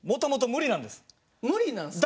無理なんすか？